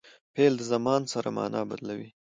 فعل د زمان سره مانا بدلوي.